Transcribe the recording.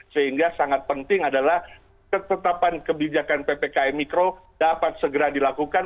sehingga sangat penting adalah ketetapan kebijakan ppkm mikro dapat segera dilakukan